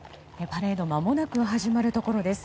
パレードはまもなく始まるところです。